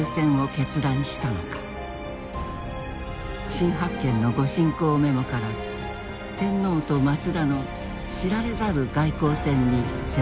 新発見の御進講メモから天皇と松田の知られざる外交戦に迫る。